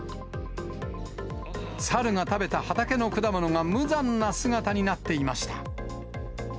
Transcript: サルが食べた畑の果物が無残な姿になっていました。